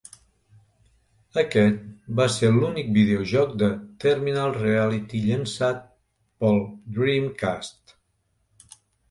Aquest va ser l'únic videojoc de Terminal Reality llançat pel Dreamcast.